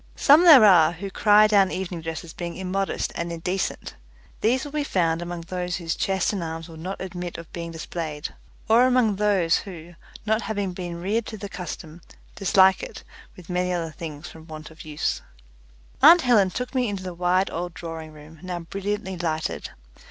Some there are who cry down evening dress as being immodest and indecent. These will be found among those whose chest and arms will not admit of being displayed, or among those who, not having been reared to the custom, dislike it with many other things from want of use. Aunt Helen took me into the wide old drawing room, now brilliantly lighted.